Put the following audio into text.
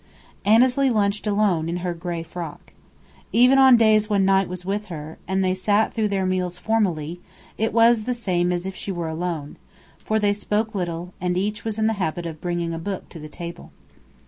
Annesley lunched alone, in her gray frock. Even on days when Knight was with her, and they sat through their meals formally, it was the same as if she were alone, for they spoke little, and each was in the habit of bringing a book to the table.